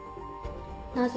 なぜ？